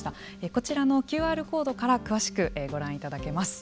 こちらのＱＲコードから詳しくご覧いただけます。